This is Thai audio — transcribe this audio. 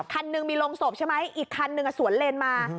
คันหนึ่งมีโรงศพใช่ไหมอีกคันนึงสวนเลนมา